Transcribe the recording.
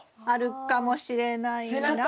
あるかもしれないな。